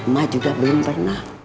ma juga belum pernah